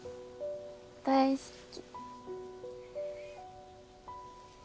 大好き